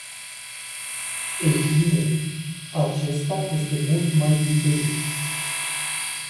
Ei bine, acesta este mult mai diferit.